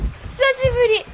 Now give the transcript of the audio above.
久しぶり。